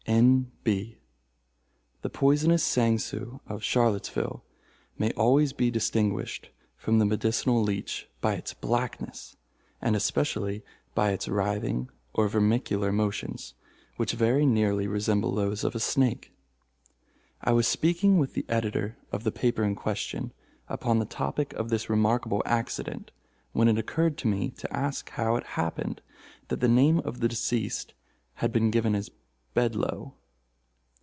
"N. B.—The poisonous sangsue of Charlottesville may always be distinguished from the medicinal leech by its blackness, and especially by its writhing or vermicular motions, which very nearly resemble those of a snake." I was speaking with the editor of the paper in question, upon the topic of this remarkable accident, when it occurred to me to ask how it happened that the name of the deceased had been given as Bedlo.